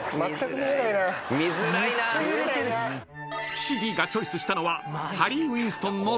［岸Ｄがチョイスしたのは］